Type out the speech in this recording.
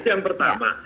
itu yang pertama